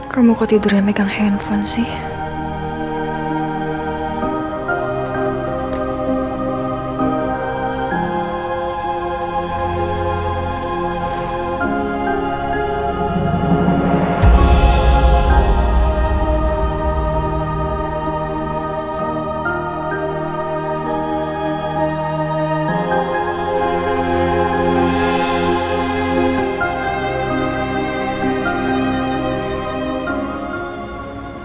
kamu kok tidurnya megang handphone sih